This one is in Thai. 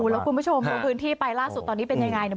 แล้วคุณผู้ชมลงพื้นที่ไปล่าสุดตอนนี้เป็นยังไงเนี่ย